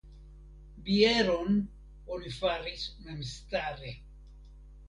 Bieron oni faris memstare.